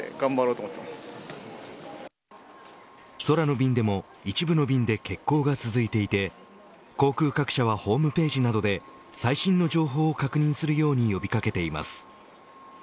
空の便でも一部の便で欠航が続いていて航空各社は、ホームページなどで最新の情報を確認するように呼び掛けています。